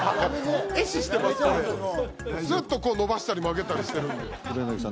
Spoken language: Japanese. これずっとこう伸ばしたり曲げたりしてるんで黒柳さん